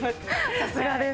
さすがです。